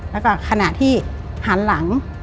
แล้วก็ขณะที่หันหลัง